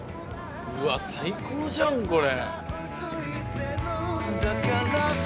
うわっ最高じゃん！これ。